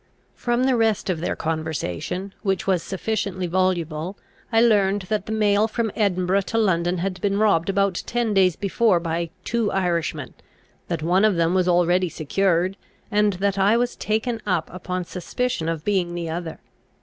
From the rest of their conversation, which was sufficiently voluble, I learned that the mail from Edinburgh to London had been robbed about ten days before by two Irishmen, that one of them was already secured, and that I was taken up upon suspicion of being the other.